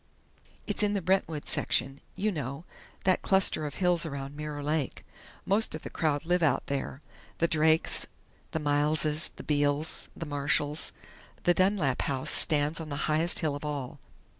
"It's in the Brentwood section. You know that cluster of hills around Mirror Lake. Most of the crowd live out there the Drakes, the Mileses, the Beales, the Marshalls. The Dunlap house stands on the highest hill of all.